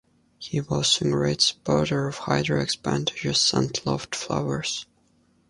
He was a great supporter of Hydro expenditures and loved flowers.